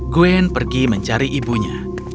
gwen pergi mencari ibunya